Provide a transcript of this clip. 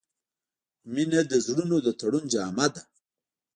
• مینه د زړونو د تړون جامه ده.